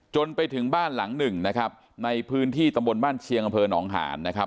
จนไปถึงบ้านหลังหนึ่งนะครับในพื้นที่ตำบลบ้านเชียงอำเภอหนองหานนะครับ